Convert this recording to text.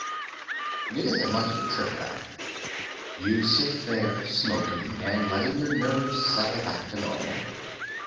It isn't much of a trip back. You sit there smoking and letting your nerves settle back to normal.